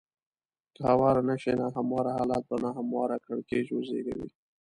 که هوار نه شي نا همواره حالات به نا همواره کړکېچ وزېږوي.